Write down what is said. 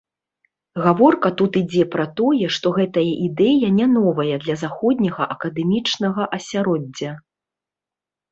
Гаворка тут ідзе пра тое, што гэтая ідэя не новая для заходняга акадэмічнага асяроддзя.